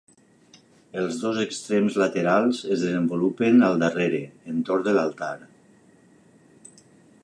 Els dos extrems laterals es desenvolupen al darrere, entorn de l'altar.